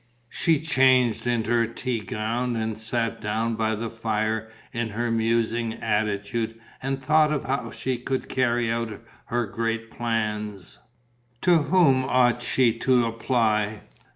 She changed into her tea gown and sat down by the fire in her musing attitude and thought of how she could carry out her great plans. To whom ought she to apply?